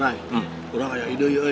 nay kurang ada ide yoi